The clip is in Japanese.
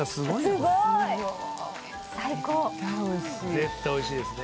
絶対おいしいですね。